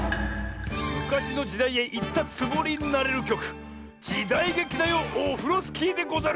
むかしのじだいへいったつもりになれるきょく「じだいげきだよオフロスキー」でござる。